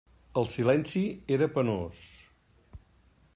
El silenci era penós.